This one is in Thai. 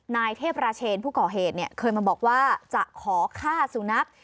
นายเทพราเชนผู้ก่อเหตุเคยมาบอกว่าจะขอฆ่าสุนัข